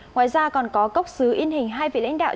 ngoài ra còn có cốc sứ in hình hai vị lãnh đạo